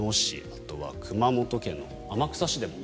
あとは熊本県の天草市でも。